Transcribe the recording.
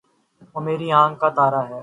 وہ میری آنکھ کا تارا ہے